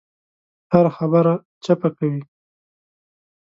هره خبره چپه کوي.